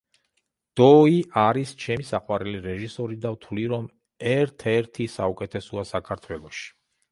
დოი არის ჩემი საყვარელი რეჟისორი და ვთვლი რომ ერთ-ერთი საუკეთესოა საქართველოში.